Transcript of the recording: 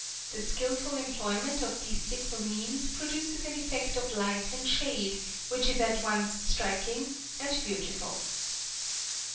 The skilful employment of these simple means produces an effect of light and shade which is at once striking and beautiful.